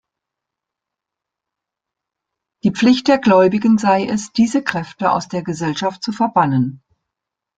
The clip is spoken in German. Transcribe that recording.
Die Pflicht der Gläubigen sei es, diese Kräfte aus der Gesellschaft zu verbannen.